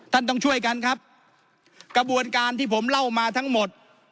ต้องช่วยกันครับกระบวนการที่ผมเล่ามาทั้งหมด